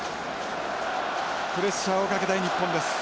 プレッシャーをかけたい日本です。